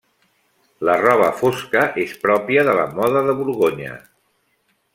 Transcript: La roba fosca és pròpia de la moda de Borgonya.